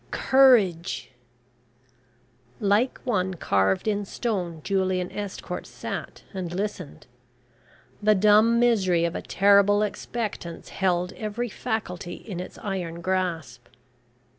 courage " Like one carved in stone Julian Estcourt sat and listened. The dumb misery of a terrible expectance held every faculty in its iron grasp.